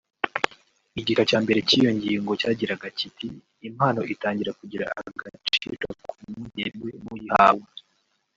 Igika cya mbere cy’iyo ngingo cyagiraga kiti “Impano itangira kugira agaciro ku munsi yemewe n’uyihawe”